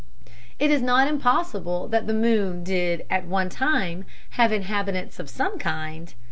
It is not impossible that the moon did at one time have inhabitants of some kind.